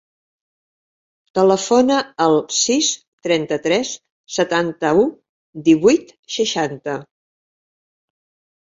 Telefona al sis, trenta-tres, setanta-u, divuit, seixanta.